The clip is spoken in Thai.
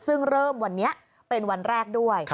ซึ่งเริ่มวันนี้เป็นวันแรกด้วย